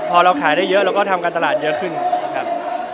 พอเราขายได้เยอะเราก็ทำการตลาดเยอะขึ้นครับ